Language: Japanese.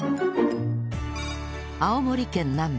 青森県南部